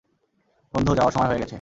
বন্ধু, যাওয়ার সময় হয়ে গেছে।